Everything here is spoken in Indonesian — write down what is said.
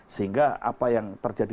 sehingga apa yang terjadi